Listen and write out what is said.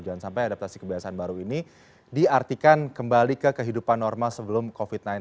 jangan sampai adaptasi kebiasaan baru ini diartikan kembali ke kehidupan normal sebelum covid sembilan belas